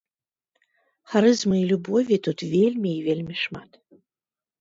Харызмы і любові тут вельмі і вельмі шмат.